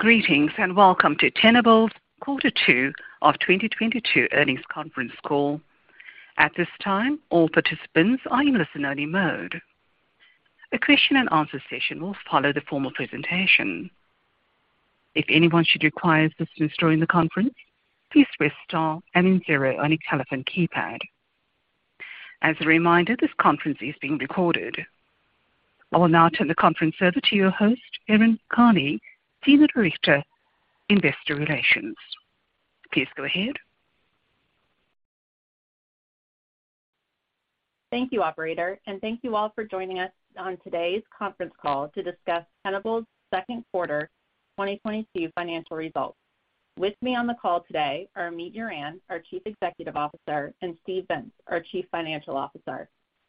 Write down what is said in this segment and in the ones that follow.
Greetings, and welcome to Tenable's quarter two of 2022 earnings conference call. At this time, all participants are in listen-only mode. A question-and-answer session will follow the formal presentation. If anyone should require assistance during the conference, please press star and then zero on your telephone keypad. As a reminder, this conference is being recorded. I will now turn the conference over to your host, Erin Karney, Senior Director, Investor Relations. Please go ahead. Thank you, Operator, and thank you all for joining us on today's conference call to discuss Tenable's second quarter 2022 financial results. With me on the call today are Amit Yoran, our Chief Executive Officer, and Steve Vintz, our Chief Financial Officer.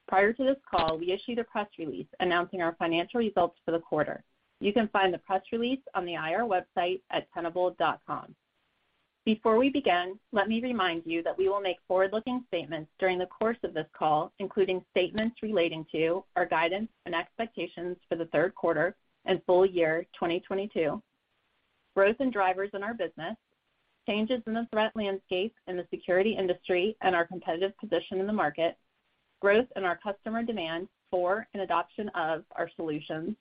Prior to this call, we issued a press release announcing our financial results for the quarter. You can find the press release on the IR website at tenable.com. Before we begin, let me remind you that we will make forward-looking statements during the course of this call, including statements relating to our guidance and expectations for the third quarter and full year 2022, growth and drivers in our business, changes in the threat landscape in the security industry and our competitive position in the market, growth in our customer demand for and adoption of our solutions,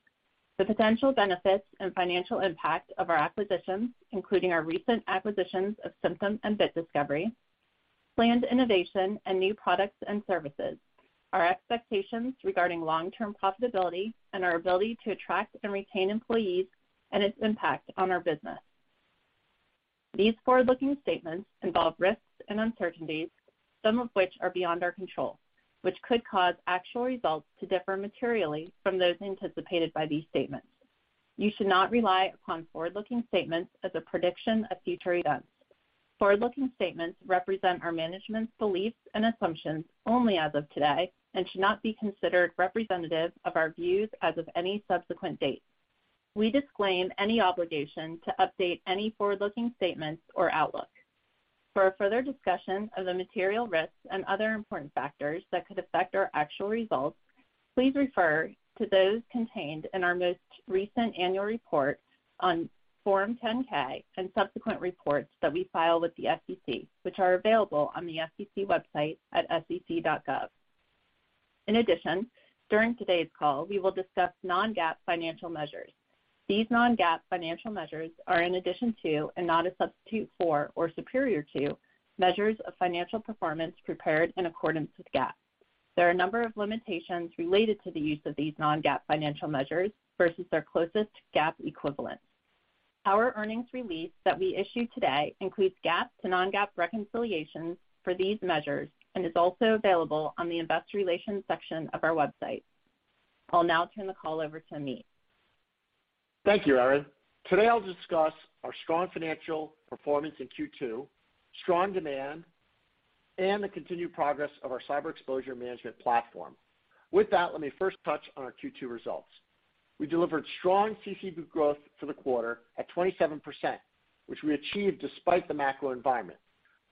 the potential benefits and financial impact of our acquisitions, including our recent acquisitions of Cymptom and Bit Discovery, planned innovation and new products and services, our expectations regarding long-term profitability and our ability to attract and retain employees and its impact on our business. These forward-looking statements involve risks and uncertainties, some of which are beyond our control, which could cause actual results to differ materially from those anticipated by these statements. You should not rely upon forward-looking statements as a prediction of future events. Forward-looking statements represent our management's beliefs and assumptions only as of today and should not be considered representative of our views as of any subsequent date. We disclaim any obligation to update any forward-looking statements or outlook. For a further discussion of the material risks and other important factors that could affect our actual results, please refer to those contained in our most recent annual report on Form 10-K and subsequent reports that we file with the SEC, which are available on the SEC website at sec.gov. In addition, during today's call, we will discuss non-GAAP financial measures. These non-GAAP financial measures are in addition to and not a substitute for or superior to measures of financial performance prepared in accordance with GAAP. There are a number of limitations related to the use of these non-GAAP financial measures versus their closest GAAP equivalent. Our earnings release that we issued today includes GAAP to non-GAAP reconciliations for these measures and is also available on the investor relations section of our website. I'll now turn the call over to Amit. Thank you, Erin. Today, I'll discuss our strong financial performance in Q2, strong demand, and the continued progress of our Cyber Exposure Management platform. With that, let me first touch on our Q2 results. We delivered strong CCB growth for the quarter at 27%, which we achieved despite the macro environment.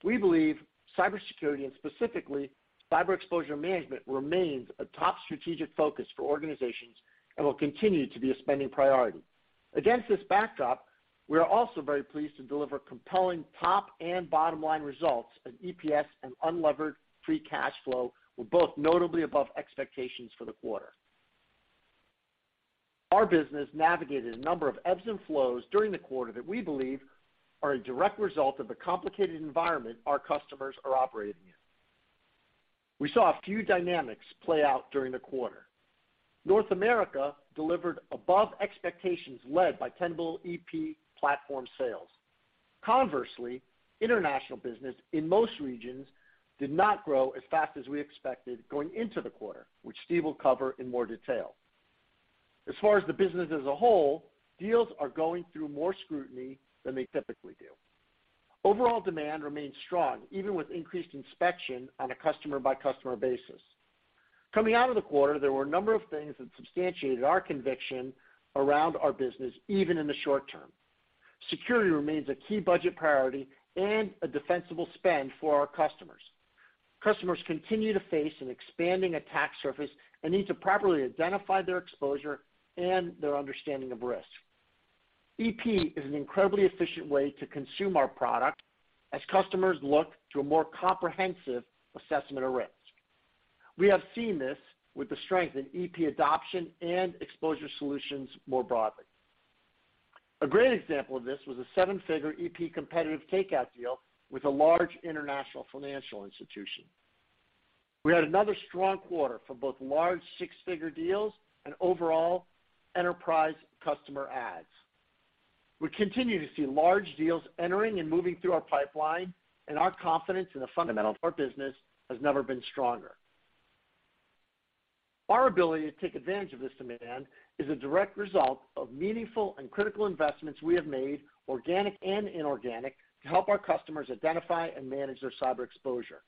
We believe cybersecurity, and specifically Cyber Exposure Management, remains a top strategic focus for organizations and will continue to be a spending priority. Against this backdrop, we are also very pleased to deliver compelling top and bottom-line results as EPS and unlevered free cash flow were both notably above expectations for the quarter. Our business navigated a number of ebbs and flows during the quarter that we believe are a direct result of the complicated environment our customers are operating in. We saw a few dynamics play out during the quarter. North America delivered above expectations led by Tenable.ep platform sales. Conversely, international business in most regions did not grow as fast as we expected going into the quarter, which Steve will cover in more detail. As far as the business as a whole, deals are going through more scrutiny than they typically do. Overall demand remains strong, even with increased inspection on a customer-by-customer basis. Coming out of the quarter, there were a number of things that substantiated our conviction around our business, even in the short term. Security remains a key budget priority and a defensible spend for our customers. Customers continue to face an expanding attack surface and need to properly identify their exposure and their understanding of risk. EP is an incredibly efficient way to consume our product as customers look to a more comprehensive assessment of risk. We have seen this with the strength in EP adoption and exposure solutions more broadly. A great example of this was a seven-figure EP competitive takeout deal with a large international financial institution. We had another strong quarter for both large six-figure deals and overall enterprise customer adds. We continue to see large deals entering and moving through our pipeline, and our confidence in the fundamentals of our business has never been stronger. Our ability to take advantage of this demand is a direct result of meaningful and critical investments we have made, organic and inorganic, to help our customers identify and manage their cyber exposure.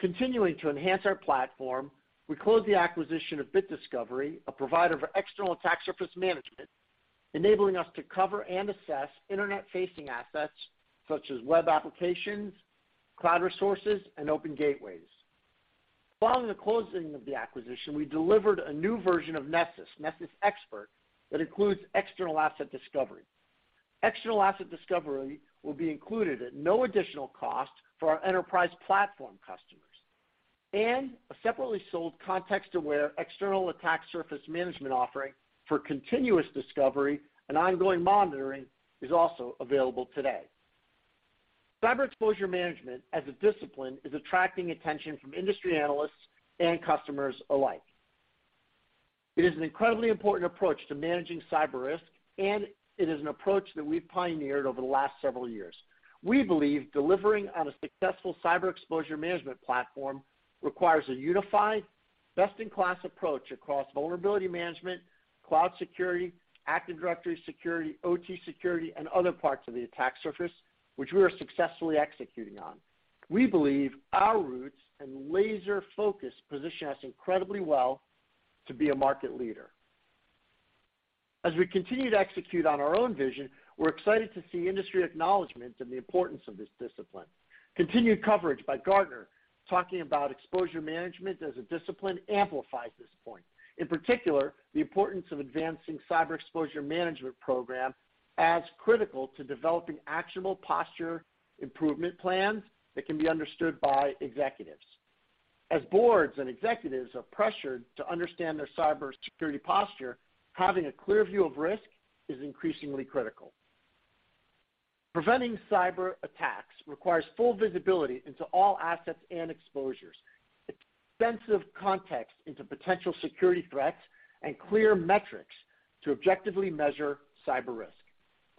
Continuing to enhance our platform, we closed the acquisition of Bit Discovery, a provider of External Attack Surface Management, enabling us to cover and assess internet-facing assets such as web applications, cloud resources, and open gateways. Following the closing of the acquisition, we delivered a new version of Nessus Expert, that includes external asset discovery. External asset discovery will be included at no additional cost for our enterprise platform customers. A separately sold context-aware External Attack Surface Management offering for continuous discovery and ongoing monitoring is also available today. Cyber Exposure Management as a discipline is attracting attention from industry analysts and customers alike. It is an incredibly important approach to managing cyber risk, and it is an approach that we've pioneered over the last several years. We believe delivering on a successful Cyber Exposure Management platform requires a unified best-in-class approach across vulnerability management, cloud security, Active Directory security, OT security, and other parts of the attack surface, which we are successfully executing on. We believe our roots and laser focus position us incredibly well to be a market leader. As we continue to execute on our own vision, we're excited to see industry acknowledgment in the importance of this discipline. Continued coverage by Gartner talking about exposure management as a discipline amplifies this point. In particular, the importance of advancing Cyber Exposure Management program as critical to developing actionable posture improvement plans that can be understood by executives. As boards and executives are pressured to understand their cybersecurity posture, having a clear view of risk is increasingly critical. Preventing cyberattacks requires full visibility into all assets and exposures, extensive context into potential security threats, and clear metrics to objectively measure cyber risk.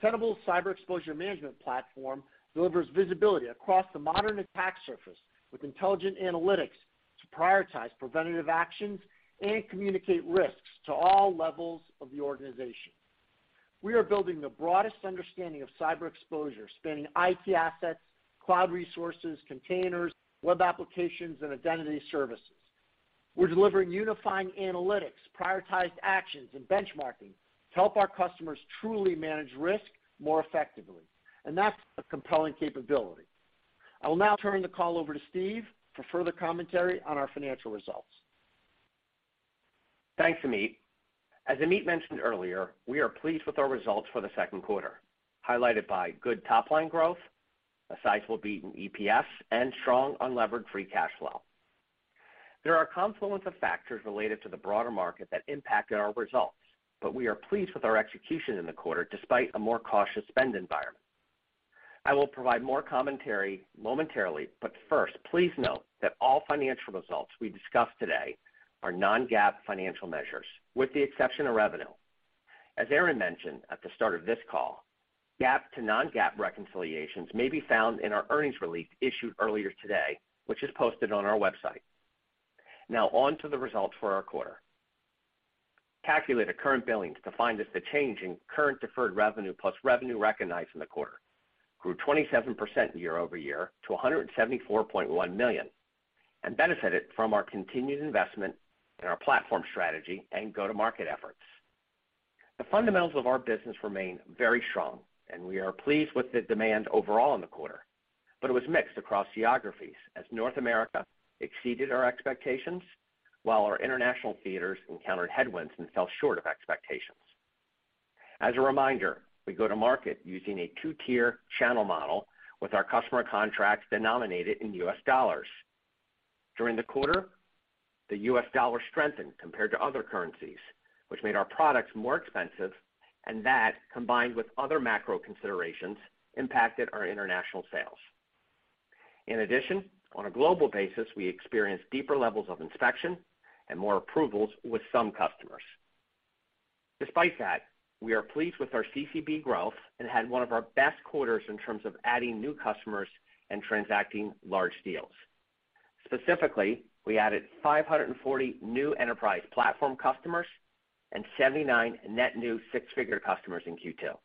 Tenable Cyber Exposure Management platform delivers visibility across the modern attack surface with intelligent analytics to prioritize preventative actions and communicate risks to all levels of the organization. We are building the broadest understanding of cyber exposure, spanning IT assets, cloud resources, containers, web applications, and identity services. We're delivering unifying analytics, prioritized actions, and benchmarking to help our customers truly manage risk more effectively, and that's a compelling capability. I will now turn the call over to Steve for further commentary on our financial results. Thanks, Amit. As Amit mentioned earlier, we are pleased with our results for the second quarter, highlighted by good top-line growth, a sizable beat in EPS, and strong unlevered free cash flow. There are a confluence of factors related to the broader market that impacted our results, but we are pleased with our execution in the quarter despite a more cautious spend environment. I will provide more commentary momentarily, but first, please note that all financial results we discuss today are non-GAAP financial measures, with the exception of revenue. As Erin mentioned at the start of this call, GAAP to non-GAAP reconciliations may be found in our earnings release issued earlier today, which is posted on our website. Now on to the results for our quarter. Calculated current billings defined as the change in current deferred revenue plus revenue recognized in the quarter grew 27% year-over-year to $174.1 million, and benefited from our continued investment in our platform strategy and go-to-market efforts. The fundamentals of our business remain very strong, and we are pleased with the demand overall in the quarter. It was mixed across geographies as North America exceeded our expectations, while our international theaters encountered headwinds and fell short of expectations. As a reminder, we go to market using a two-tier channel model with our customer contracts denominated in U.S. dollars. During the quarter, the U.S. dollar strengthened compared to other currencies, which made our products more expensive, and that, combined with other macro considerations, impacted our international sales. In addition, on a global basis, we experienced deeper levels of inspection and more approvals with some customers. Despite that, we are pleased with our CCB growth and had one of our best quarters in terms of adding new customers and transacting large deals. Specifically, we added 540 new enterprise platform customers and 79 net new six-figure customers in Q2,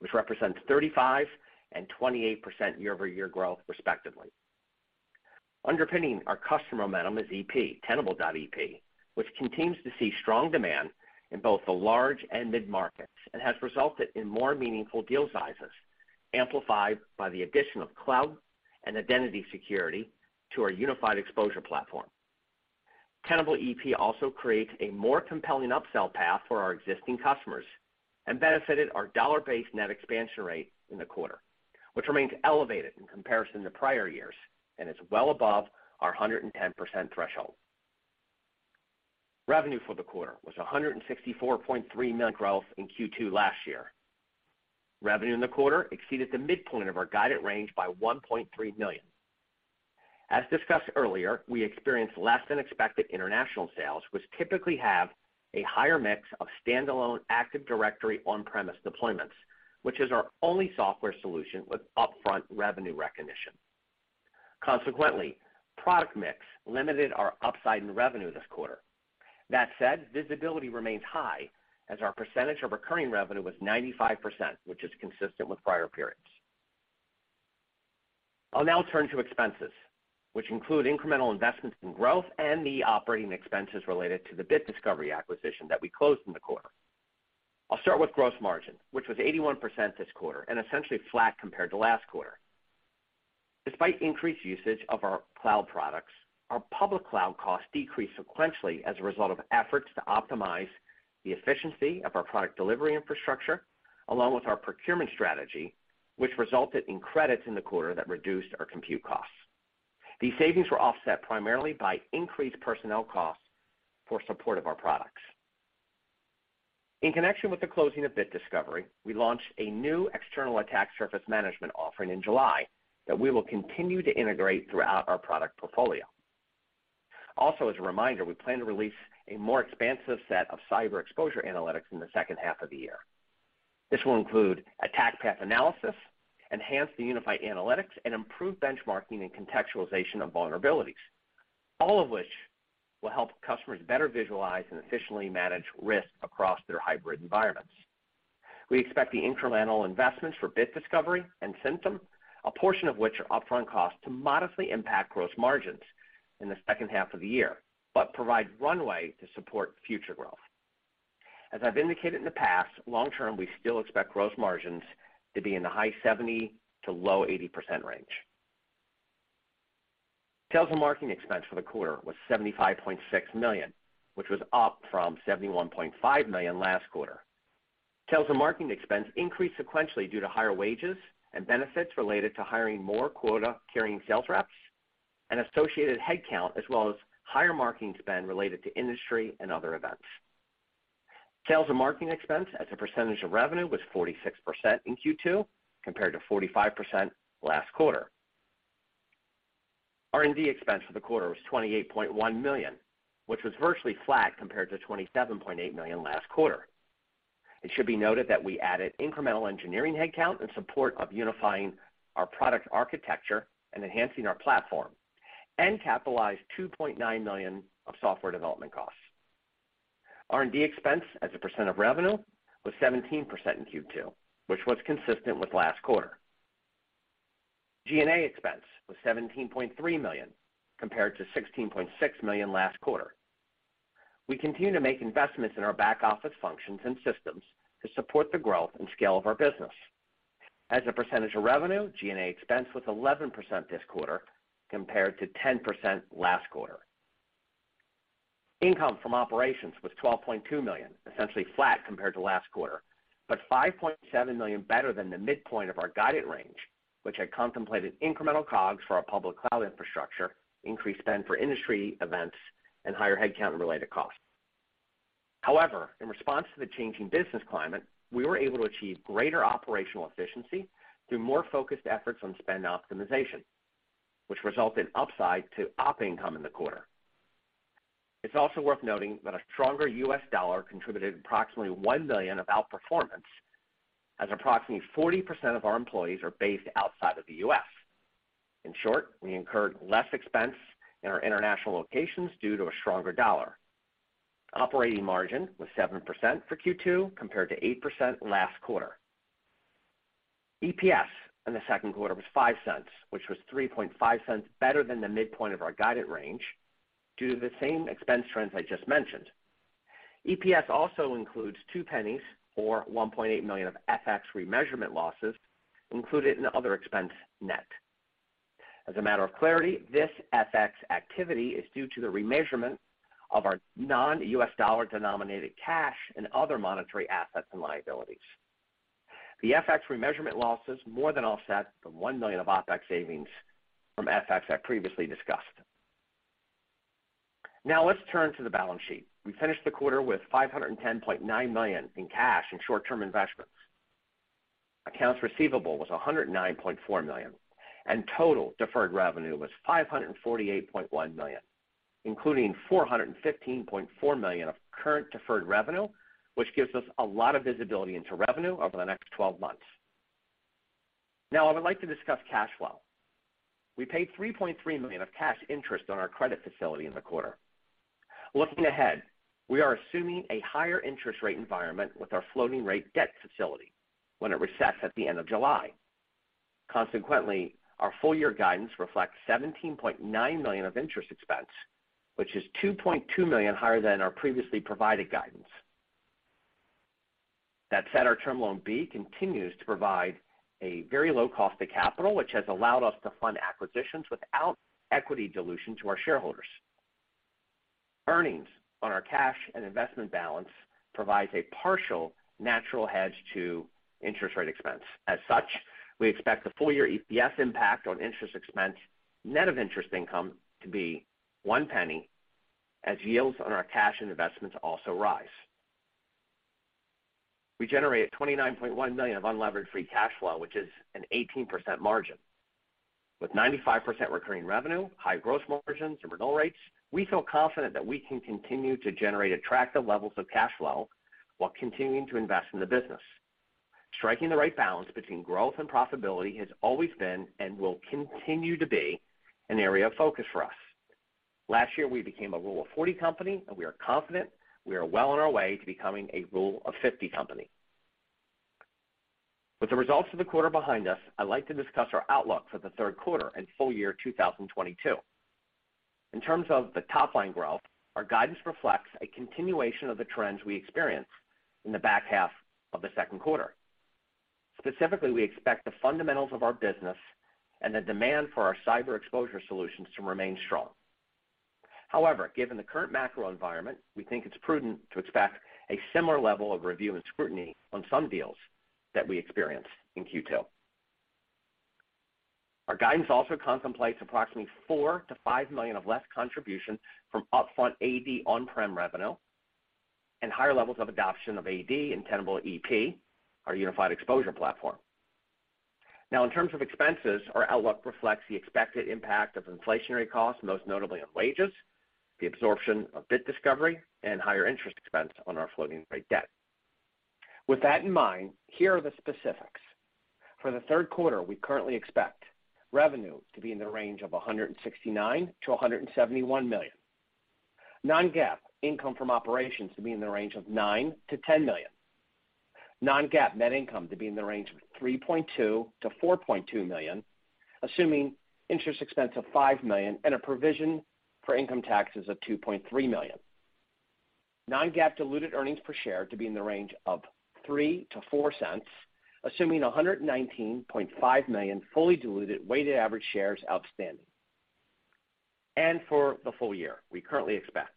which represents 35% and 28% year-over-year growth, respectively. Underpinning our customer momentum is EP, Tenable.ep, which continues to see strong demand in both the large and mid-markets and has resulted in more meaningful deal sizes, amplified by the addition of cloud and identity security to our unified exposure platform. Tenable.ep also creates a more compelling upsell path for our existing customers and benefited our dollar-based net expansion rate in the quarter, which remains elevated in comparison to prior years and is well above our 110% threshold. Revenue for the quarter was $164.3 million growth in Q2 last year. Revenue in the quarter exceeded the midpoint of our guided range by $1.3 million. As discussed earlier, we experienced less than expected international sales, which typically have a higher mix of standalone Active Directory on-premise deployments, which is our only software solution with upfront revenue recognition. Consequently, product mix limited our upside in revenue this quarter. That said, visibility remains high as our percentage of recurring revenue was 95%, which is consistent with prior periods. I'll now turn to expenses, which include incremental investments in growth and the operating expenses related to the Bit Discovery acquisition that we closed in the quarter. I'll start with gross margin, which was 81% this quarter and essentially flat compared to last quarter. Despite increased usage of our cloud products, our public cloud costs decreased sequentially as a result of efforts to optimize the efficiency of our product delivery infrastructure, along with our procurement strategy, which resulted in credits in the quarter that reduced our compute costs. These savings were offset primarily by increased personnel costs for support of our products. In connection with the closing of Bit Discovery, we launched a new External Attack Surface Management offering in July that we will continue to integrate throughout our product portfolio. Also, as a reminder, we plan to release a more expansive set of cyber exposure analytics in the second half of the year. This will include attack path analysis, enhance the unified analytics, and improve benchmarking and contextualization of vulnerabilities, all of which will help customers better visualize and efficiently manage risk across their hybrid environments. We expect the incremental investments for Bit Discovery and Cymptom, a portion of which are upfront costs, to modestly impact gross margins in the second half of the year, but provide runway to support future growth. As I've indicated in the past, long term, we still expect gross margins to be in the high 70 to low 80% range. Sales and marketing expense for the quarter was $75.6 million, which was up from $71.5 million last quarter. Sales and marketing expense increased sequentially due to higher wages and benefits related to hiring more quota-carrying sales reps and associated headcount, as well as higher marketing spend related to industry and other events. Sales and marketing expense as a percentage of revenue was 46% in Q2 compared to 45% last quarter. R&D expense for the quarter was $28.1 million, which was virtually flat compared to $27.8 million last quarter. It should be noted that we added incremental engineering headcount in support of unifying our product architecture and enhancing our platform and capitalized $2.9 million of software development costs. R&D expense as a percent of revenue was 17% in Q2, which was consistent with last quarter. G&A expense was $17.3 million compared to $16.6 million last quarter. We continue to make investments in our back-office functions and systems to support the growth and scale of our business. As a percentage of revenue, G&A expense was 11% this quarter compared to 10% last quarter. Income from operations was $12.2 million, essentially flat compared to last quarter, but $5.7 million better than the midpoint of our guided range, which had contemplated incremental COGS for our public cloud infrastructure, increased spend for industry events, and higher headcount and related costs. However, in response to the changing business climate, we were able to achieve greater operational efficiency through more focused efforts on spend optimization, which resulted in upside to op income in the quarter. It's also worth noting that a stronger U.S. dollar contributed approximately $1 million of outperformance, as approximately 40% of our employees are based outside of the U.S. In short, we incurred less expense in our international locations due to a stronger dollar. Operating margin was 7% for Q2 compared to 8% last quarter. EPS in the second quarter was $0.05, which was $0.035 better than the midpoint of our guided range due to the same expense trends I just mentioned. EPS also includes $0.02 or $1.8 million of FX remeasurement losses included in other expense net. As a matter of clarity, this FX activity is due to the remeasurement of our non-U.S. dollar-denominated cash and other monetary assets and liabilities. The FX remeasurement losses more than offset the $1 million of OpEx savings from FX I previously discussed. Now let's turn to the balance sheet. We finished the quarter with $510.9 million in cash and short-term investments. Accounts receivable was $109.4 million, and total deferred revenue was $548.1 million, including $415.4 million of current deferred revenue, which gives us a lot of visibility into revenue over the next 12 months. Now I would like to discuss cash flow. We paid $3.3 million of cash interest on our credit facility in the quarter. Looking ahead, we are assuming a higher interest rate environment with our floating rate debt facility when it resets at the end of July. Consequently, our full-year guidance reflects $17.9 million of interest expense, which is $2.2 million higher than our previously provided guidance. That said, our Term Loan B continues to provide a very low cost of capital, which has allowed us to fund acquisitions without equity dilution to our shareholders. Earnings on our cash and investment balance provides a partial natural hedge to interest rate expense. As such, we expect the full-year EPS impact on interest expense net of interest income to be $0.01 as yields on our cash and investments also rise. We generated $29.1 million of unlevered free cash flow, which is an 18% margin. With 95% recurring revenue, high gross margins, and renewal rates, we feel confident that we can continue to generate attractive levels of cash flow while continuing to invest in the business. Striking the right balance between growth and profitability has always been and will continue to be an area of focus for us. Last year, we became a Rule of 40 company, and we are confident we are well on our way to becoming a Rule of 50 company. With the results of the quarter behind us, I'd like to discuss our outlook for the third quarter and full year 2022. In terms of the top-line growth, our guidance reflects a continuation of the trends we experienced in the back half of the second quarter. Specifically, we expect the fundamentals of our business and the demand for our cyber exposure solutions to remain strong. However, given the current macro environment, we think it's prudent to expect a similar level of review and scrutiny on some deals that we experienced in Q2. Our guidance also contemplates approximately $4 million-$5 million of less contribution from upfront AD on-prem revenue and higher levels of adoption of AD and Tenable.ep, our unified exposure platform. Now in terms of expenses, our outlook reflects the expected impact of inflationary costs, most notably on wages, the absorption of Bit Discovery, and higher interest expense on our floating rate debt. With that in mind, here are the specifics. For the third quarter, we currently expect revenue to be in the range of $169 million-$171 million. Non-GAAP income from operations to be in the range of $9 million-$10 million. Non-GAAP net income to be in the range of $3.2 million-$4.2 million, assuming interest expense of $5 million and a provision for income taxes of $2.3 million. Non-GAAP diluted earnings per share to be in the range of $0.03-$0.04, assuming 119.5 million fully diluted weighted average shares outstanding. For the full year, we currently expect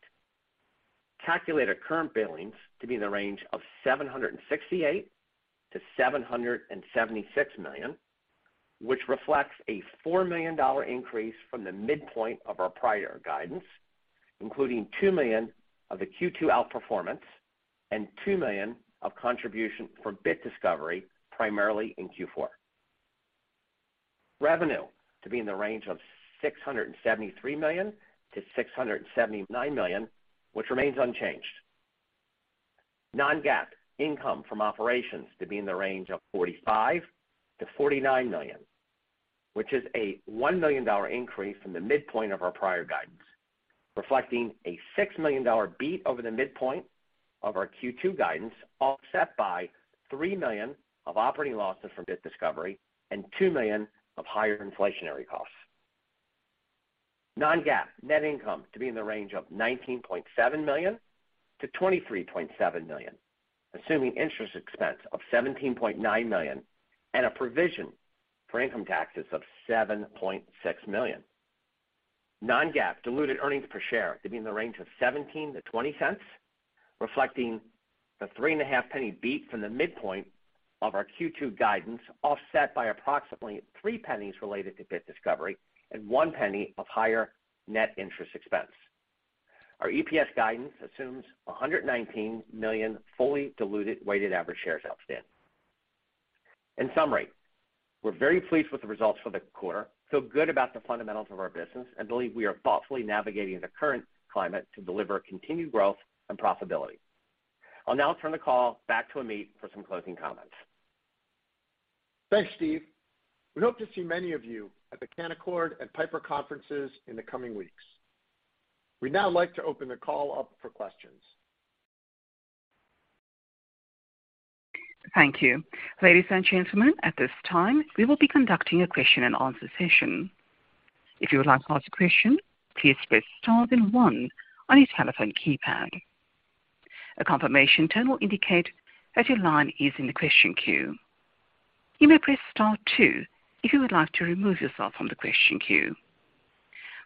calculated current billings to be in the range of $768 million-$776 million, which reflects a $4 million increase from the midpoint of our prior guidance, including $2 million of the Q2 outperformance and $2 million of contribution from Bit Discovery, primarily in Q4. Revenue to be in the range of $673 million-$679 million, which remains unchanged. Non-GAAP income from operations to be in the range of $45 million-$49 million, which is a $1 million increase from the midpoint of our prior guidance, reflecting a $6 million beat over the midpoint of our Q2 guidance, offset by $3 million of operating losses from Bit Discovery and $2 million of higher inflationary costs. Non-GAAP net income to be in the range of $19.7 million-$23.7 million, assuming interest expense of $17.9 million and a provision for income taxes of $7.6 million. Non-GAAP diluted earnings per share to be in the range of $0.17-$0.20, reflecting the $0.035 beat from the midpoint of our Q2 guidance, offset by approximately $0.03 related to Bit Discovery and $0.01 of higher net interest expense. Our EPS guidance assumes 119 million fully diluted weighted average shares outstanding. In summary, we're very pleased with the results for the quarter, feel good about the fundamentals of our business, and believe we are thoughtfully navigating the current climate to deliver continued growth and profitability. I'll now turn the call back to Amit for some closing comments. Thanks, Steve. We hope to see many of you at the Canaccord and Piper conferences in the coming weeks. We'd now like to open the call up for questions. Thank you. Ladies and gentlemen, at this time, we will be conducting a question-and-answer session. If you would like to ask a question, please press star then one on your telephone keypad. A confirmation tone will indicate that your line is in the question queue. You may press star two if you would like to remove yourself from the question queue.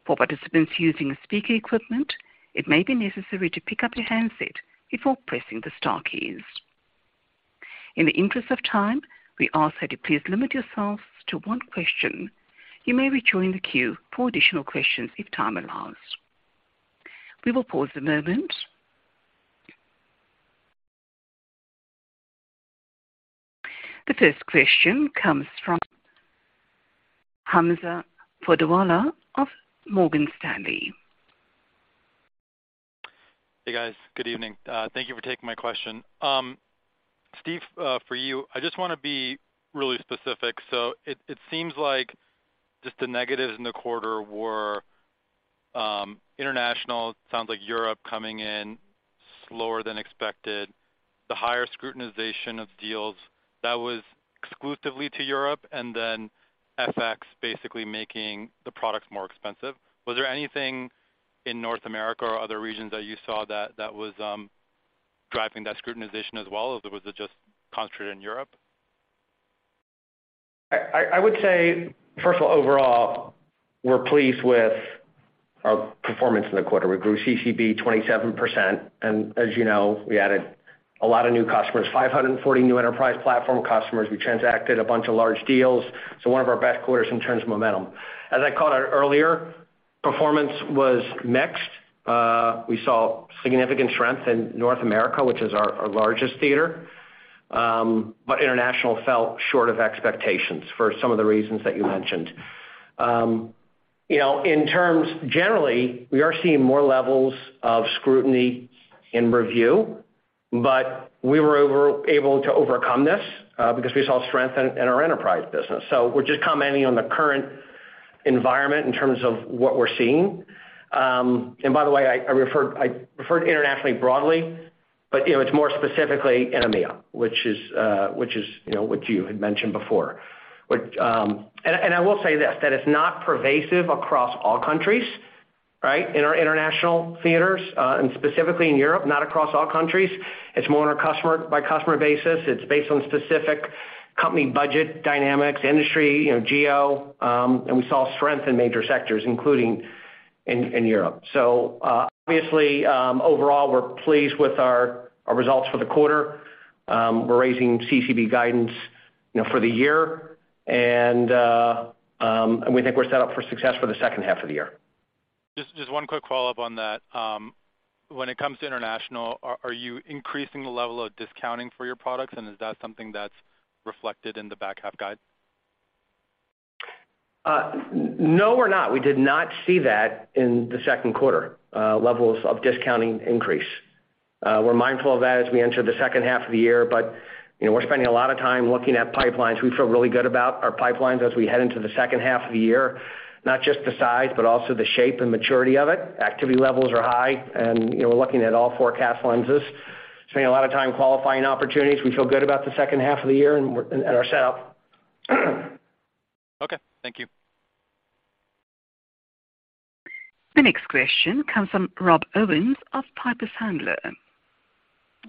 For participants using speaker equipment, it may be necessary to pick up your handset before pressing the star keys. In the interest of time, we ask that you please limit yourselves to one question. You may rejoin the queue for additional questions if time allows. We will pause a moment. The first question comes from Hamza Fodderwala of Morgan Stanley. Hey guys, good evening. Thank you for taking my question. Steve, for you, I just wanna be really specific. It seems like just the negatives in the quarter were international, sounds like Europe coming in slower than expected, the higher scrutinization of deals that was exclusively to Europe, and then FX basically making the products more expensive. Was there anything in North America or other regions that you saw that was driving that scrutinization as well, or was it just concentrated in Europe? I would say, first of all, overall, we're pleased with our performance in the quarter. We grew CCB 27%, and as you know, we added a lot of new customers, 540 new enterprise platform customers. We transacted a bunch of large deals, so one of our best quarters in terms of momentum. As I called out earlier, performance was mixed. We saw significant strength in North America, which is our largest theater, but international fell short of expectations for some of the reasons that you mentioned. You know, generally, we are seeing more levels of scrutiny and review, but we were able to overcome this, because we saw strength in our enterprise business. We're just commenting on the current Environment in terms of what we're seeing. By the way, I referred internationally broadly, but you know, it's more specifically in EMEA, which is what you had mentioned before. I will say this, that it's not pervasive across all countries, right? In our international theaters, and specifically in Europe, not across all countries. It's more on a customer-by-customer basis. It's based on specific company budget dynamics, industry, you know, geo, and we saw strength in major sectors, including in Europe. Obviously, overall, we're pleased with our results for the quarter. We're raising CCB guidance, you know, for the year, and we think we're set up for success for the second half of the year. Just one quick follow-up on that. When it comes to international, are you increasing the level of discounting for your products? Is that something that's reflected in the back half guide? No, we're not. We did not see that in the second quarter, levels of discounting increase. We're mindful of that as we enter the second half of the year, but, you know, we're spending a lot of time looking at pipelines. We feel really good about our pipelines as we head into the second half of the year, not just the size, but also the shape and maturity of it. Activity levels are high and, you know, we're looking at all forecast lenses, spending a lot of time qualifying opportunities. We feel good about the second half of the year and our setup. Okay. Thank you. The next question comes from Rob Owens of Piper Sandler.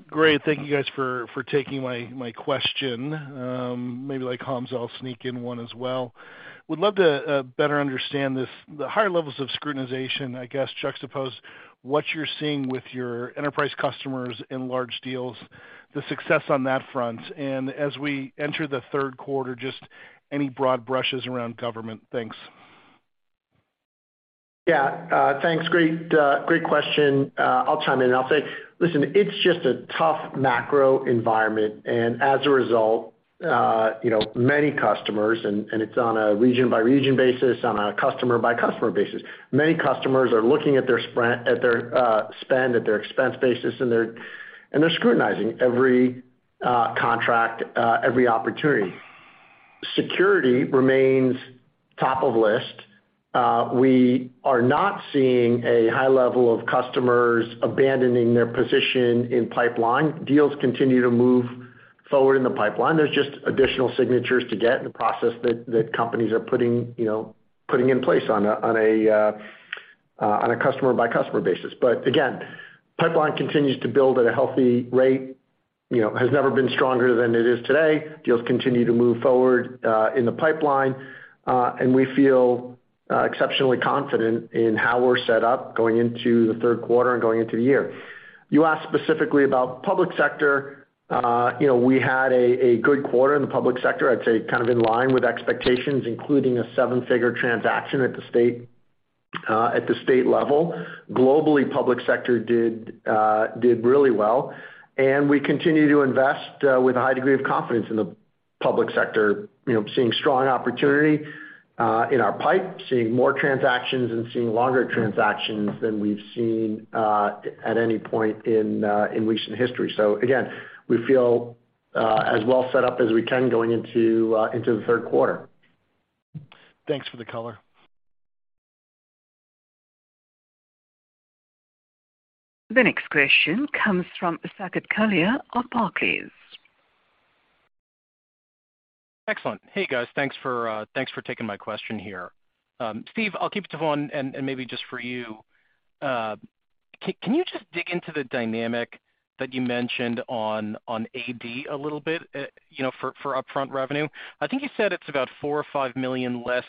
Great. Thank you guys for taking my question. Maybe like Hamza, I'll sneak in one as well. Would love to better understand this, the higher levels of scrutinization, I guess, juxtapose what you're seeing with your enterprise customers in large deals, the success on that front. As we enter the third quarter, just any broad brushes around government. Thanks. Yeah. Thanks. Great question. I'll chime in and I'll say, listen, it's just a tough macro environment. As a result, you know, many customers, and it's on a region by region basis, on a customer-by-customer basis. Many customers are looking at their spend, at their expense basis, and they're scrutinizing every contract, every opportunity. Security remains top of list. We are not seeing a high level of customers abandoning their position in pipeline. Deals continue to move forward in the pipeline. There's just additional signatures to get in the process that companies are putting in place on a customer-by-customer basis. Pipeline continues to build at a healthy rate, you know, has never been stronger than it is today. Deals continue to move forward in the pipeline. We feel exceptionally confident in how we're set up going into the third quarter and going into the year. You asked specifically about public sector. You know, we had a good quarter in the public sector, I'd say kind of in line with expectations, including a seven-figure transaction at the state level. Globally, public sector did really well, and we continue to invest with a high degree of confidence in the public sector, you know, seeing strong opportunity in our pipe, seeing more transactions and seeing longer transactions than we've seen at any point in recent history. Again, we feel as well set up as we can going into the third quarter. Thanks for the color. The next question comes from Saket Kalia of Barclays. Excellent. Hey, guys. Thanks for taking my question here. Steve, I'll keep it to one and maybe just for you. Can you just dig into the dynamic that you mentioned on AD a little bit, you know, for upfront revenue? I think you said it's about $4 million-$5 million less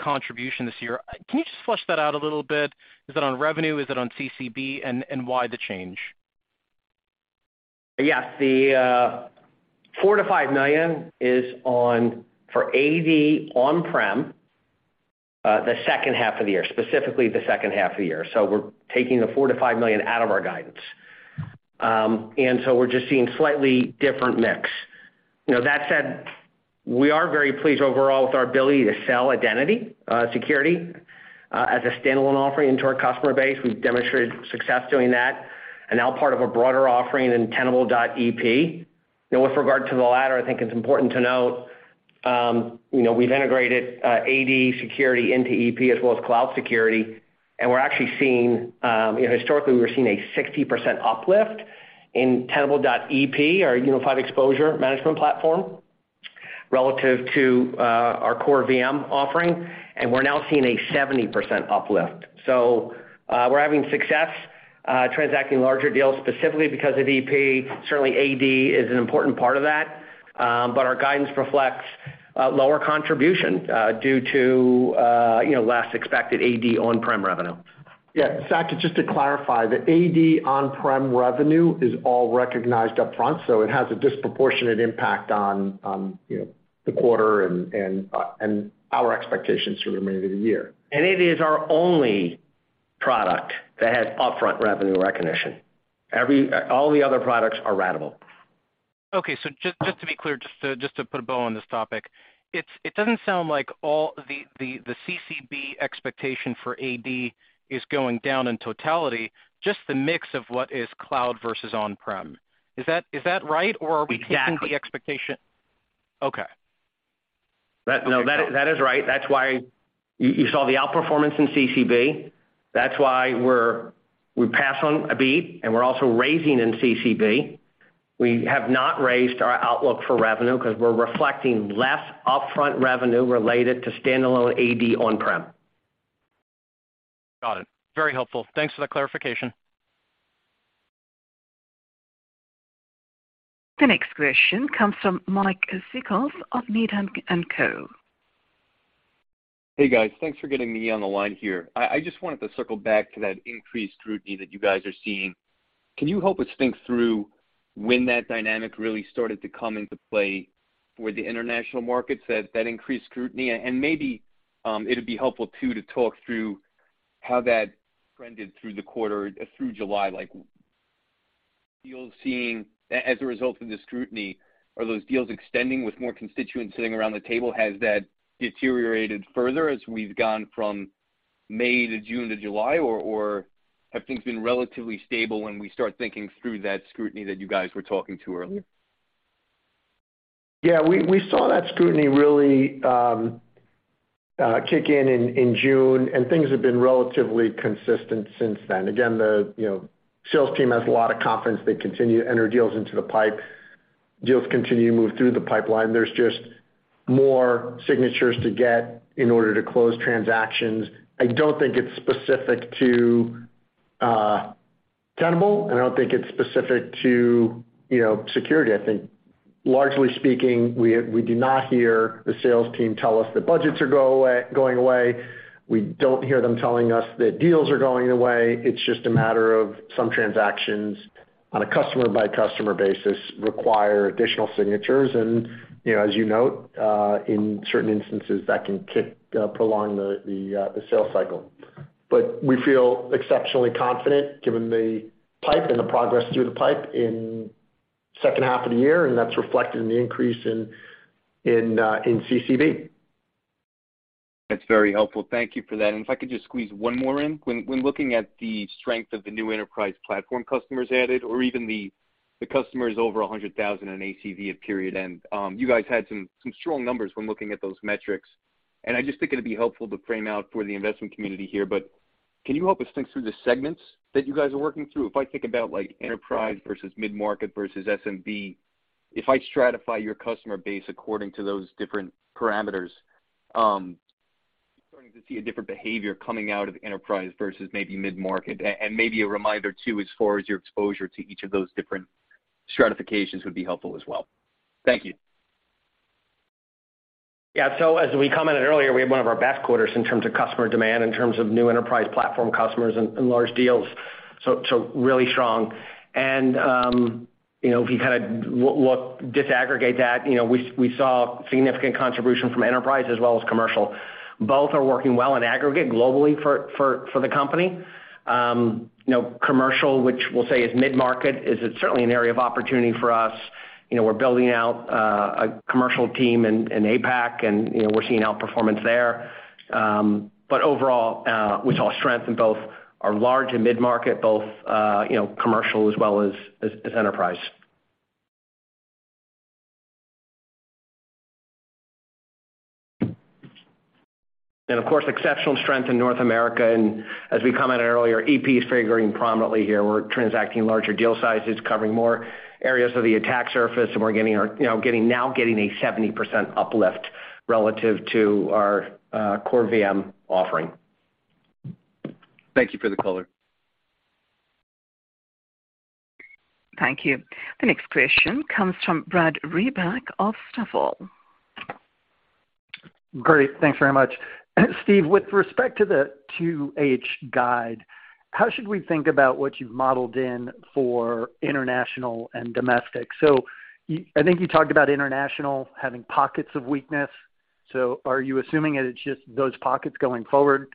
contribution this year. Can you just flesh that out a little bit? Is it on revenue? Is it on CCB? And why the change? Yes. The $4 million-$5 million is on for AD on-prem, the second half of the year, specifically the second half of the year. We're taking the $4 million-$5 million out of our guidance. We're just seeing slightly different mix. You know, that said, we are very pleased overall with our ability to sell identity security as a standalone offering into our customer base. We've demonstrated success doing that, and now part of a broader offering in Tenable.ep. You know, with regard to the latter, I think it's important to note, you know, we've integrated AD security into EP as well as cloud security, and we're actually seeing, you know, historically, we were seeing a 60% uplift in Tenable.ep, our unified exposure management platform, relative to our core VM offering, and we're now seeing a 70% uplift. So, we're having success transacting larger deals specifically because of EP. Certainly, AD is an important part of that, but our guidance reflects lower contribution due to, you know, less expected AD on-prem revenue. Yeah. Saket, just to clarify, the AD on-prem revenue is all recognized upfront, so it has a disproportionate impact on the quarter and our expectations for the remainder of the year. It is our only product that has upfront revenue recognition. All the other products are ratable. Okay. Just to be clear, just to put a bow on this topic, it doesn't sound like all the CCB expectation for AD is going down in totality, just the mix of what is cloud versus on-prem. Is that right? Or are we- Exactly. Okay. No, that is right. That's why you saw the outperformance in CCB. That's why we pass on ACV and we're also raising in CCB. We have not raised our outlook for revenue because we're reflecting less upfront revenue related to standalone AD on-prem. Got it. Very helpful. Thanks for the clarification. The next question comes from Mike Cikos of Needham & Co. Hey, guys. Thanks for getting me on the line here. I just wanted to circle back to that increased scrutiny that you guys are seeing. Can you help us think through when that dynamic really started to come into play for the international markets, that increased scrutiny? Maybe it'd be helpful too to talk through how that trended through the quarter, through July. Like, as a result of the scrutiny, are those deals extending with more constituents sitting around the table? Has that deteriorated further as we've gone from May to June to July? Or have things been relatively stable when we start thinking through that scrutiny that you guys were talking to earlier? Yeah. We saw that scrutiny really kick in in June, and things have been relatively consistent since then. Again, you know, the sales team has a lot of confidence. They continue to enter deals into the pipe. Deals continue to move through the pipeline. There's just more signatures to get in order to close transactions. I don't think it's specific to Tenable, and I don't think it's specific to, you know, security. I think largely speaking, we do not hear the sales team tell us that budgets are going away. We don't hear them telling us that deals are going away. It's just a matter of some transactions on a customer-by-customer basis require additional signatures. You know, as you note, in certain instances, that can prolong the sales cycle. We feel exceptionally confident given the pipe and the progress through the pipe in second half of the year, and that's reflected in the increase in CCB. That's very helpful. Thank you for that. If I could just squeeze one more in. When looking at the strength of the new enterprise platform customers added or even the customers over 100,000 in ACV at period end, you guys had some strong numbers when looking at those metrics. I just think it'd be helpful to frame out for the investment community here. Can you help us think through the segments that you guys are working through? If I think about like enterprise versus mid-market versus SMB, if I stratify your customer base according to those different parameters, starting to see a different behavior coming out of enterprise versus maybe mid-market. And maybe a reminder too, as far as your exposure to each of those different stratifications would be helpful as well. Thank you. Yeah. As we commented earlier, we had one of our best quarters in terms of customer demand, in terms of new enterprise platform customers and large deals, so really strong. You know, if you kind of look disaggregate that, you know, we saw significant contribution from enterprise as well as commercial. Both are working well in aggregate globally for the company. You know, commercial, which we'll say is mid-market, is certainly an area of opportunity for us. You know, we're building out a commercial team in APAC, and you know, we're seeing outperformance there. Overall, we saw strength in both our large and mid-market, both you know, commercial as well as enterprise. Of course, exceptional strength in North America. As we commented earlier, EP is figuring prominently here. We're transacting larger deal sizes, covering more areas of the attack surface, and we're getting, you know, now getting a 70% uplift relative to our core VM offering. Thank you for the color. Thank you. The next question comes from Brad Reback of Stifel. Great. Thanks very much. Steve, with respect to the 2H guide, how should we think about what you've modeled in for international and domestic? I think you talked about international having pockets of weakness. Are you assuming that it's just those pockets going forward?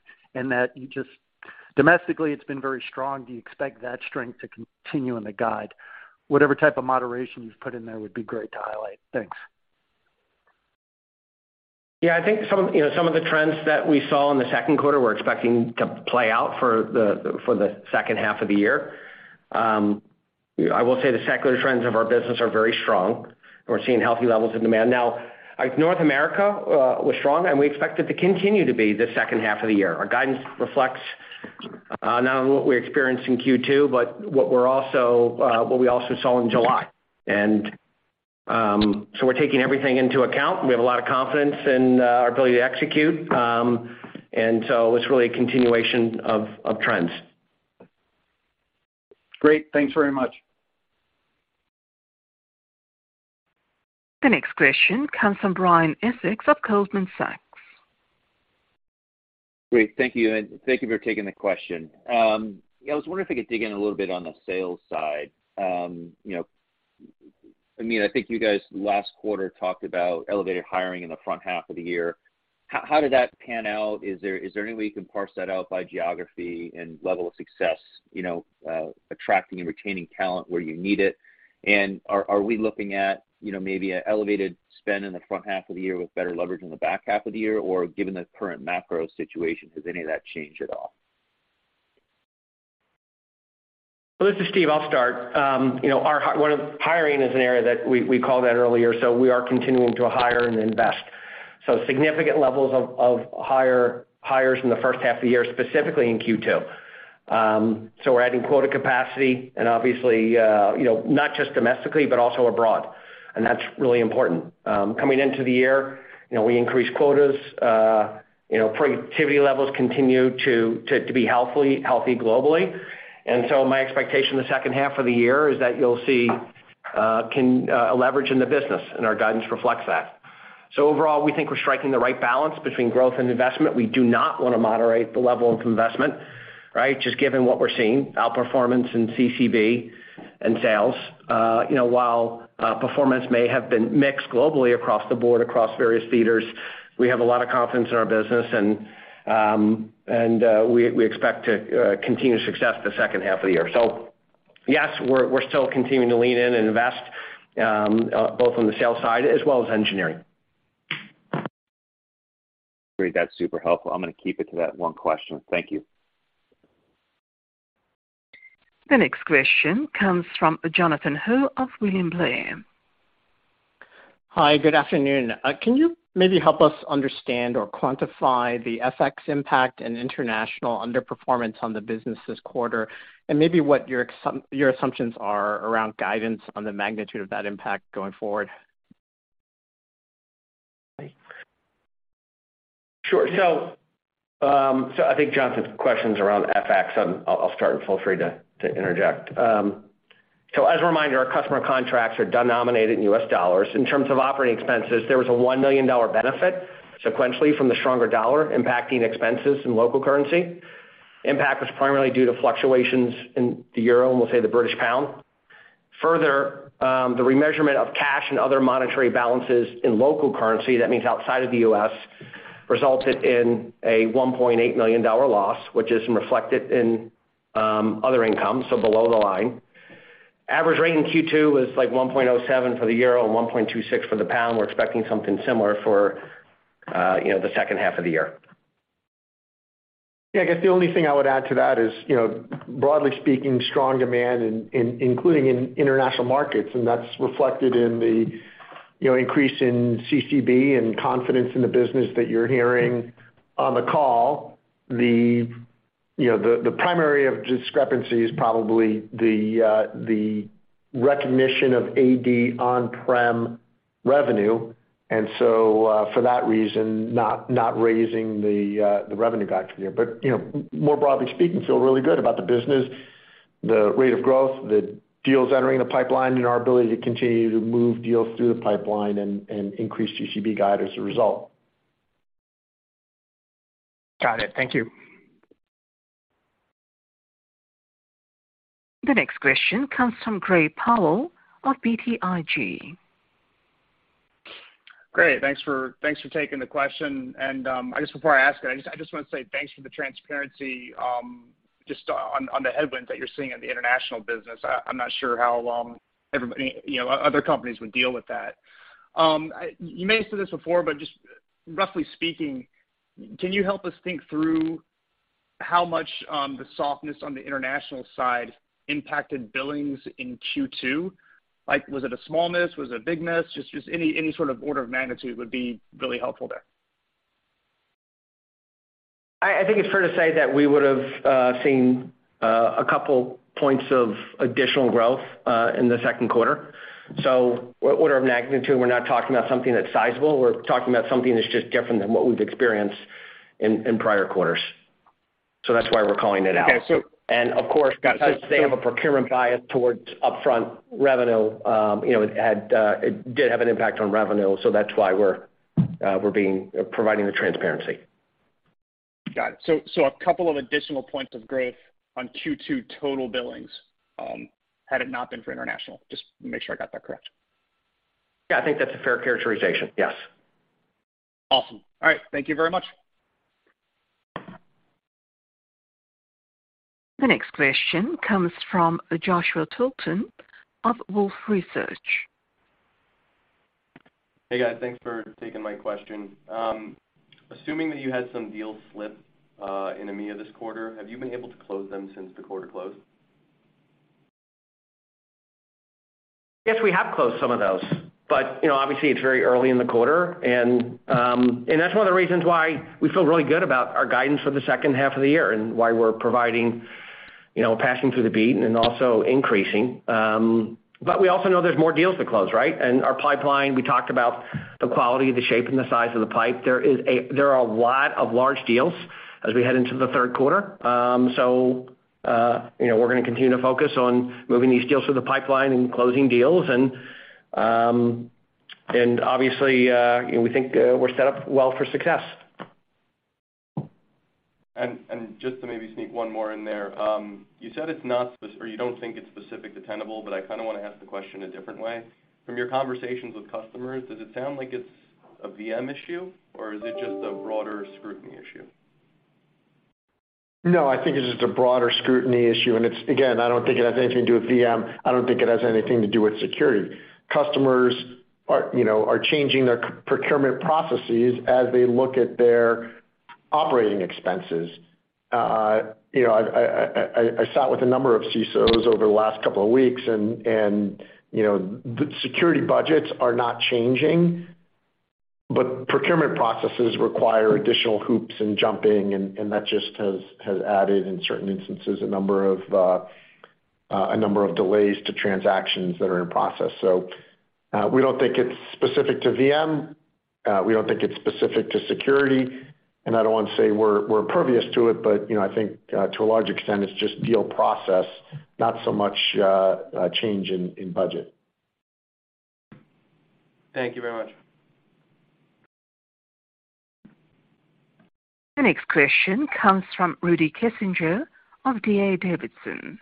Domestically, it's been very strong. Do you expect that strength to continue in the guide? Whatever type of moderation you've put in there would be great to highlight. Thanks. Yeah. I think some, you know, of the trends that we saw in the second quarter we're expecting to play out for the second half of the year. I will say the secular trends of our business are very strong, and we're seeing healthy levels of demand. Now, North America was strong, and we expect it to continue to be the second half of the year. Our guidance reflects not only what we experienced in Q2, but what we also saw in July. We're taking everything into account. We have a lot of confidence in our ability to execute. It's really a continuation of trends. Great. Thanks very much. The next question comes from Brian Essex of Goldman Sachs. Great. Thank you, and thank you for taking the question. Yeah, I was wondering if I could dig in a little bit on the sales side. You know, I mean, I think you guys last quarter talked about elevated hiring in the front half of the year. How did that pan out? Is there any way you can parse that out by geography and level of success, you know, attracting and retaining talent where you need it? Are we looking at, you know, maybe an elevated spend in the front half of the year with better leverage in the back half of the year? Or given the current macro situation, has any of that changed at all? This is Steve, I'll start. Hiring is an area that we called out earlier, so we are continuing to hire and invest. Significant levels of hires in the first half of the year, specifically in Q2. We're adding quota capacity and obviously, you know, not just domestically, but also abroad. That's really important. Coming into the year, you know, we increased quotas. Productivity levels continue to be healthy globally. My expectation the second half of the year is that you'll see a leverage in the business, and our guidance reflects that. Overall, we think we're striking the right balance between growth and investment. We do not wanna moderate the level of investment, right? Just given what we're seeing, outperformance in CCB and sales. You know, while performance may have been mixed globally across the board, across various theaters, we have a lot of confidence in our business, and we expect to continue success the second half of the year. Yes, we're still continuing to lean in and invest both on the sales side as well as engineering. Great. That's super helpful. I'm gonna keep it to that one question. Thank you. The next question comes from Jonathan Ho of William Blair. Hi, good afternoon. Can you maybe help us understand or quantify the FX impact and international underperformance on the business this quarter, and maybe what your assumptions are around guidance on the magnitude of that impact going forward? Sure. I think Jonathan's question's around FX. I'll start, and feel free to interject. As a reminder, our customer contracts are denominated in U.S. dollars. In terms of operating expenses, there was a $1 million benefit sequentially from the stronger dollar impacting expenses in local currency. Impact was primarily due to fluctuations in the euro, and we'll say the British pound. Further, the remeasurement of cash and other monetary balances in local currency, that means outside of the U.S., resulted in a $1.8 million loss, which is reflected in other income, so below the line. Average rate in Q2 was like 1.07 for the euro and 1.26 for the pound. We're expecting something similar for, you know, the second half of the year. Yeah, I guess the only thing I would add to that is, you know, broadly speaking, strong demand including in international markets, and that's reflected in the, you know, increase in CCB and confidence in the business that you're hearing on the call. The primary discrepancy is probably the recognition of AD on-prem revenue, and so for that reason, not raising the revenue guide for the year. You know, more broadly speaking, feel really good about the business, the rate of growth, the deals entering the pipeline, and our ability to continue to move deals through the pipeline and increase CCB guide as a result. Got it. Thank you. The next question comes from Gray Powell of BTIG. Great. Thanks for taking the question. I guess before I ask it, I wanna say thanks for the transparency, just on the headwinds that you're seeing in the international business. I'm not sure how everybody, you know, other companies would deal with that. You may have said this before, but just roughly speaking, can you help us think through how much the softness on the international side impacted billings in Q2? Like, was it a small miss? Was it a big miss? Just any sort of order of magnitude would be really helpful there. I think it's fair to say that we would've seen a couple points of additional growth in the second quarter. Order of magnitude, we're not talking about something that's sizable. We're talking about something that's just different than what we've experienced in prior quarters. That's why we're calling it out. Okay. And of course- Got it. Since they have a procurement bias towards upfront revenue, you know, it did have an impact on revenue. That's why we're providing the transparency. Got it. A couple of additional points of growth on Q2 total billings, had it not been for international. Just make sure I got that correct. Yeah, I think that's a fair characterization. Yes. Awesome. All right. Thank you very much. The next question comes from Joshua Tilton of Wolfe Research. Hey, guys. Thanks for taking my question. Assuming that you had some deals slip in EMEA this quarter, have you been able to close them since the quarter closed? Yes, we have closed some of those. You know, obviously, it's very early in the quarter, and that's one of the reasons why we feel really good about our guidance for the second half of the year and why we're providing, you know, passing through the beat and also increasing. We also know there's more deals to close, right? Our pipeline, we talked about the quality, the shape, and the size of the pipe. There are a lot of large deals as we head into the third quarter. You know, we're gonna continue to focus on moving these deals through the pipeline and closing deals and obviously, you know, we think, we're set up well for success. Just to maybe sneak one more in there. You said it's not or you don't think it's specific to Tenable, but I kinda wanna ask the question a different way. From your conversations with customers, does it sound like it's a VM issue, or is it just a broader scrutiny issue? No, I think it's just a broader scrutiny issue. It's again, I don't think it has anything to do with VM. I don't think it has anything to do with security. Customers are, you know, changing their procurement processes as they look at their Operating expenses. You know, I sat with a number of CSOs over the last couple of weeks and, you know, the security budgets are not changing, but procurement processes require additional hoops and jumping, and that just has added, in certain instances, a number of delays to transactions that are in process. We don't think it's specific to VM. We don't think it's specific to security, and I don't want to say we're impervious to it, but, you know, I think, to a large extent, it's just deal process, not so much change in budget. Thank you very much. The next question comes from Rudy Kessinger of D.A. Davidson.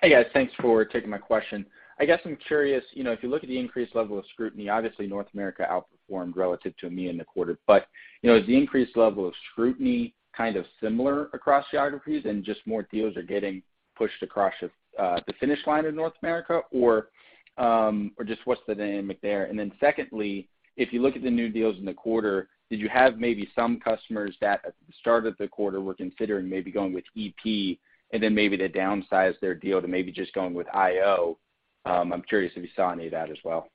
Hey, guys. Thanks for taking my question. I guess I'm curious, you know, if you look at the increased level of scrutiny, obviously North America outperformed relative to EMEA in the quarter. You know, is the increased level of scrutiny kind of similar across geographies and just more deals are getting pushed across the finish line in North America or just what's the dynamic there? And then secondly, if you look at the new deals in the quarter, did you have maybe some customers that at the start of the quarter were considering maybe going with EP and then maybe they downsized their deal to maybe just going with IO? I'm curious if you saw any of that as well.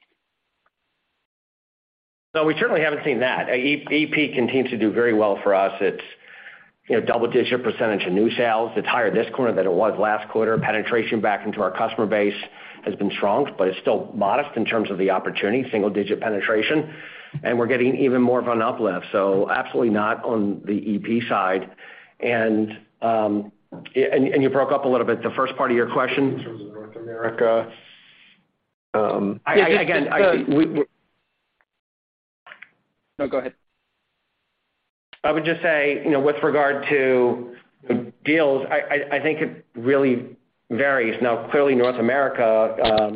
No, we certainly haven't seen that. EP continues to do very well for us. It's, you know, double-digit percentage of new sales. It's higher this quarter than it was last quarter. Penetration back into our customer base has been strong, but it's still modest in terms of the opportunity, single digit penetration. We're getting even more of an uplift. So absolutely not on the EP side. You broke up a little bit the first part of your question. In terms of North America. Again, we No, go ahead. I would just say, you know, with regard to deals, I think it really varies. Now, clearly, North America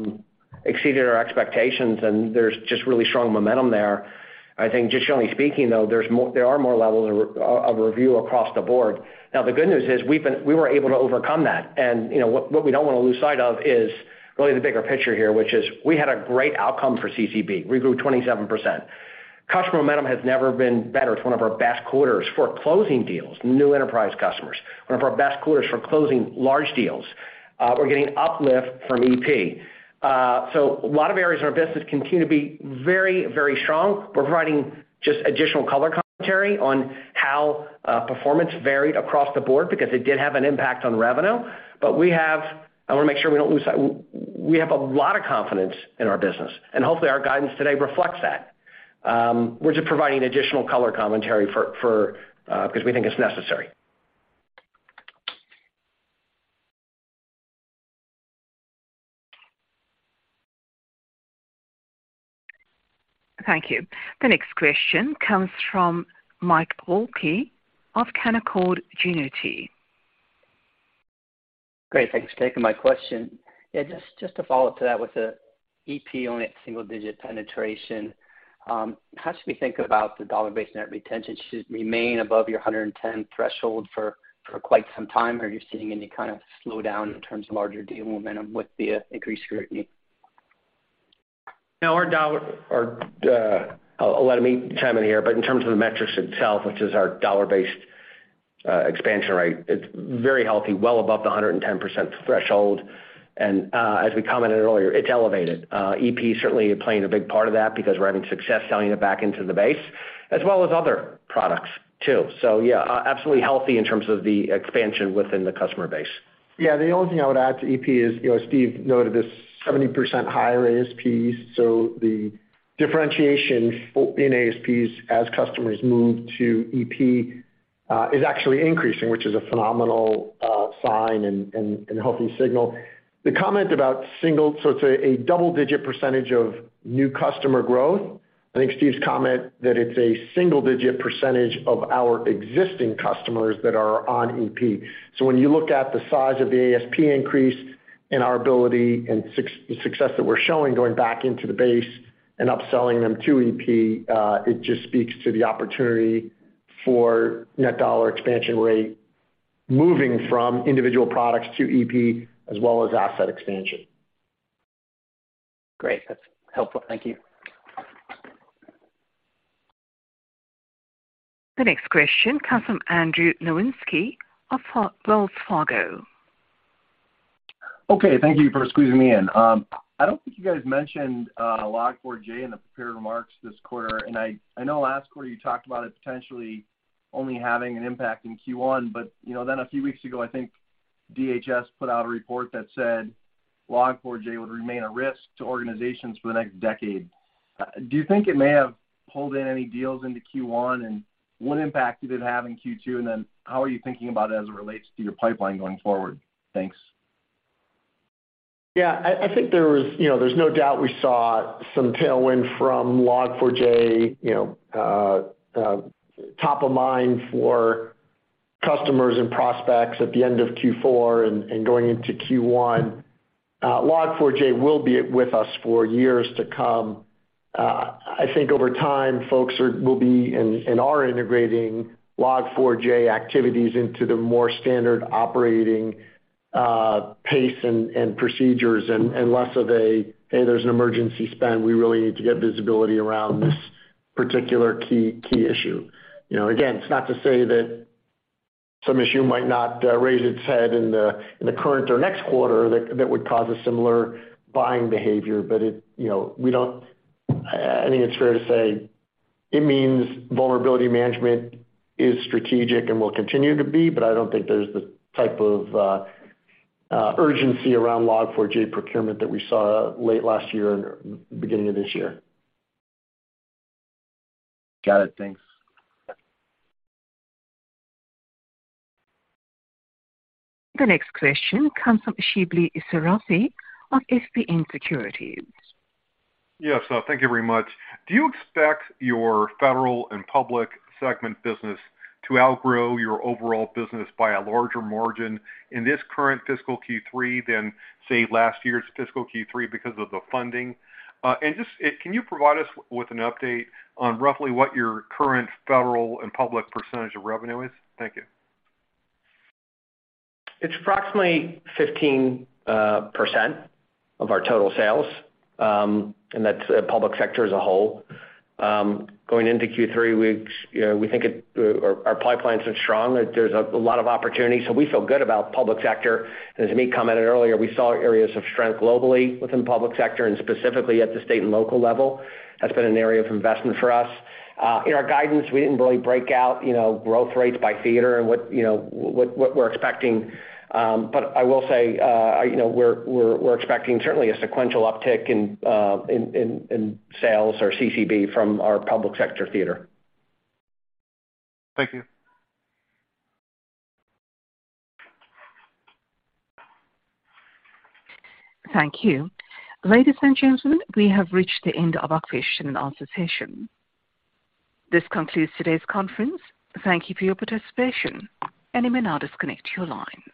exceeded our expectations, and there's just really strong momentum there. I think just generally speaking, though, there are more levels of review across the board. Now, the good news is we were able to overcome that. You know, what we don't want to lose sight of is really the bigger picture here, which is we had a great outcome for CCB. We grew 27%. Customer momentum has never been better. It's one of our best quarters for closing deals, new enterprise customers, one of our best quarters for closing large deals. We're getting uplift from EP. So a lot of areas of our business continue to be very, very strong. We're providing just additional color commentary on how performance varied across the board because it did have an impact on revenue. I wanna make sure we don't lose sight. We have a lot of confidence in our business, and hopefully, our guidance today reflects that. We're just providing additional color commentary for because we think it's necessary. Thank you. The next question comes from Mike Walkley of Canaccord Genuity. Great. Thanks for taking my question. Yeah, just to follow up to that with the EP on it, single-digit penetration, how should we think about the dollar-based net retention? Should it remain above your 110% threshold for quite some time? Are you seeing any kind of slowdown in terms of larger deal momentum with the increased scrutiny? Let me chime in here, but in terms of the metrics itself, which is our dollar-based expansion rate, it's very healthy, well above the 110% threshold. As we commented earlier, it's elevated. EP certainly playing a big part of that because we're having success selling it back into the base as well as other products too. Absolutely healthy in terms of the expansion within the customer base. Yeah. The only thing I would add to EP is, you know, as Steve noted, this 70% higher ASPs. The differentiation in ASPs as customers move to EP is actually increasing, which is a phenomenal sign and healthy signal. The comment about so it's a double-digit percentage of new customer growth. I think Steve's comment that it's a single-digit percentage of our existing customers that are on EP. When you look at the size of the ASP increase and our ability and success that we're showing going back into the base and upselling them to EP, it just speaks to the opportunity for net dollar expansion rate moving from individual products to EP as well as asset expansion. Great. That's helpful. Thank you. The next question comes from Andrew Nowinski of Wells Fargo. Okay. Thank you for squeezing me in. I don't think you guys mentioned Log4j in the prepared remarks this quarter. I know last quarter you talked about it potentially only having an impact in Q1, but you know, then a few weeks ago, I think DHS put out a report that said Log4j would remain a risk to organizations for the next decade. Do you think it may have pulled in any deals into Q1? What impact did it have in Q2? How are you thinking about it as it relates to your pipeline going forward? Thanks. Yeah. I think there was, you know, there's no doubt we saw some tailwind from Log4j, you know, top of mind for customers and prospects at the end of Q4 and going into Q1. Log4j will be with us for years to come. I think over time, folks will be and are integrating Log4j activities into the more standard operating pace and procedures and less of a, hey, there's an emergency spend. We really need to get visibility around this particular key issue. You know, again, it's not to say that some issue might not raise its head in the current or next quarter that would cause a similar buying behavior. It. You know, we don't. I think it's fair to say it means vulnerability management is strategic and will continue to be, but I don't think there's the type of urgency around Log4j procurement that we saw late last year and beginning of this year. Got it. Thanks. The next question comes from Shebly Seyrafi of FBN Securities. Yes. Thank you very much. Do you expect your federal and public segment business to outgrow your overall business by a larger margin in this current fiscal Q3 than, say, last year's fiscal Q3 because of the funding? And just can you provide us with an update on roughly what your current federal and public percentage of revenue is? Thank you. It's approximately 15% of our total sales, and that's public sector as a whole. Going into Q3, you know, we think our pipelines are strong. There's a lot of opportunity, so we feel good about public sector. As Amit commented earlier, we saw areas of strength globally within public sector and specifically at the state and local level. That's been an area of investment for us. In our guidance, we didn't really break out, you know, growth rates by theater and what we're expecting. But I will say, you know, we're expecting certainly a sequential uptick in sales or CCB from our public sector theater. Thank you. Thank you. Ladies and gentlemen, we have reached the end of our question-and-answer session. This concludes today's conference. Thank you for your participation, and you may now disconnect your lines.